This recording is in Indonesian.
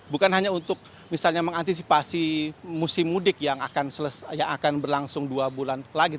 bukan hanya untuk misalnya mengantisipasi musim mudik yang akan berlangsung dua bulan lagi